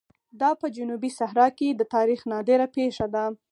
دا په جنوبي صحرا کې د تاریخ نادره پېښه ده.